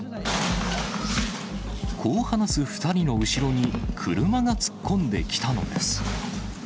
こう話す２人の後ろに、車が突っ込んできたのです。